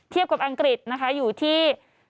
กับอังกฤษนะคะอยู่ที่